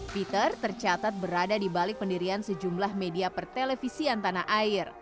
peter tercatat berada di balik pendirian sejumlah media pertelevisian tanah air